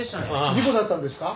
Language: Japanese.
事故だったんですか？